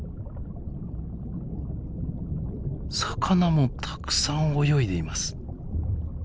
魚もたくさん泳いでいます。